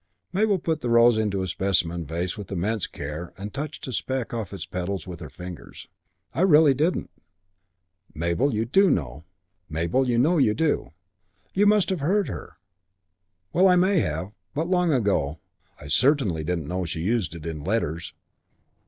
Mabel put the rose into a specimen vase with immense care and touched a speck off its petals with her fingers. "I really didn't." "Mabel, you know you do. You must have heard her." "Well, I may have. But long ago. I certainly didn't know she used it in letters."